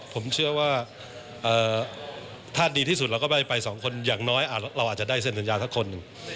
ผมเชื่อว่าถ้าดีที่สุดเราก็ไม่ไปสองคนอย่างน้อยเราอาจจะได้เซ็นสัญญาสักคนหนึ่ง